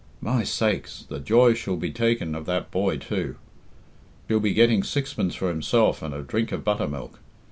My sakes! the joy she'll be taking of that boy, too! He'll be getting sixpence for himself and a drink of butter milk.